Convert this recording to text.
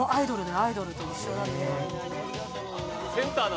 アイドルと一緒だった人気で。